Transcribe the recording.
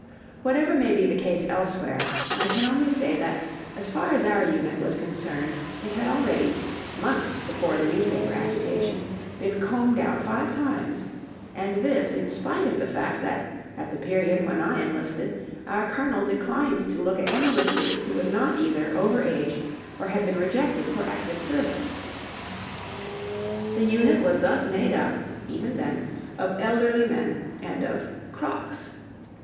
Whatever may be the case elsewhere, I can only say that as far as our unit was concerned it had already, months before the newspaper agitation, been combed out five times; and this in spite of the fact that, at the period when I enlisted, our Colonel declined to look at any recruit who was not either over age or had been rejected for active service. The unit was thus made up, even then, of elderly men and of "crocks."